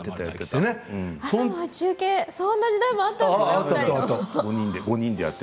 そんな時代もあったんですね。